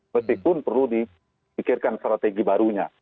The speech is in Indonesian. meskipun perlu dipikirkan strategi barunya